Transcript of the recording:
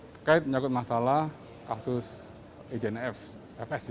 terkait menyakut masalah kasus ejnfs